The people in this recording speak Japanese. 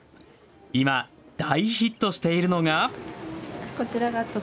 今、大ヒットしているのが。